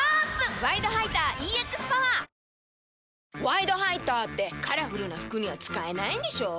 「ワイドハイター」ってカラフルな服には使えないんでしょ？